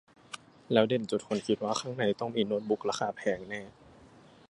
แล้วเด่นจนคนคิดว่าข้างในต้องมีโน๊ตบุ๊กราคาแพงแน่